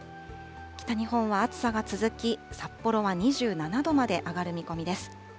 北日本は暑さが続き、札幌は２７度まで上がる見込みです。